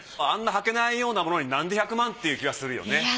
あんなはけないようなものになんで１００万って気がするよね。